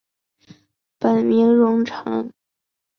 本名融成。